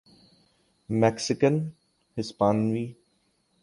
Mexican ہسپانوی